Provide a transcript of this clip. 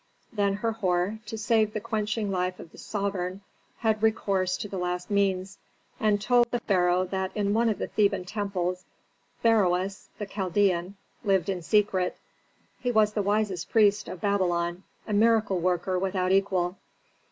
Then Herhor, to save the quenching life of the sovereign, had recourse to the last means, and told the pharaoh that in one of the Theban temples, Beroes, the Chaldean, lived in secret. He was the wisest priest of Babylon a miracle worker without equal.